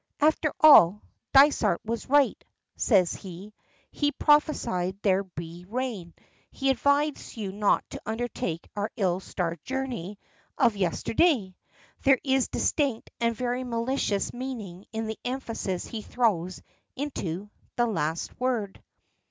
"After all, Dysart was right," says he. "He prophesied there would be rain. He advised you not to undertake our ill starred journey of yesterday." There is distinct and very malicious meaning in the emphasis he throws into the last word.